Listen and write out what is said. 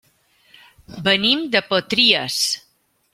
Venim de Potries.